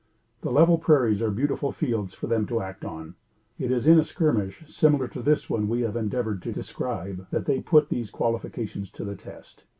The level prairies are beautiful fields for them to act on. It is in a skirmish similar to the one we have endeavored to describe, that they put these qualifications to the test.